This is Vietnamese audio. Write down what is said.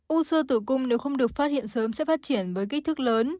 u sơ tử cung nếu không được phát hiện sớm sẽ phát triển với kích thước lớn